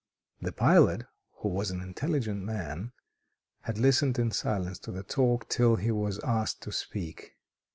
The pilot, who was an intelligent man, had listened in silence to the talk till he was asked to speak.